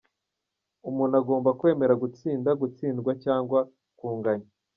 Umuntu agomba kwemera gutsinda, gutsindwa cyangwa kunganya.